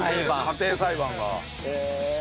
家庭裁判が。へえ。